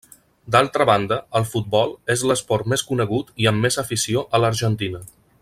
D'altra banda, el futbol és l'esport més conegut i amb més afició a l'Argentina.